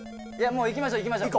もう行きましょう行きましょう。